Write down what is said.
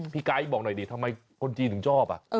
พี่ไกบอกหน่อยดิทำไมคนจีนับ